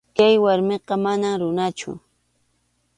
Kay warmiqa manam runachu.